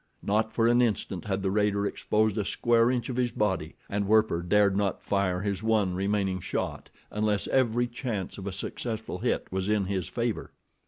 Not for an instant had the raider exposed a square inch of his body, and Werper dared not fire his one remaining shot unless every chance of a successful hit was in his favor.